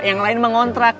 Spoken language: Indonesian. yang lain mengontrak